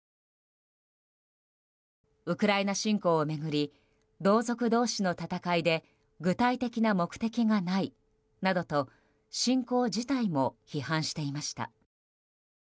ウクライナ侵攻を巡り同族同士の戦いで具体的な目的がないなどと侵攻自体も批判していました。